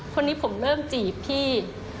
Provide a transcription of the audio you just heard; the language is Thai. คนนี้ผมเริ่มจีบพี่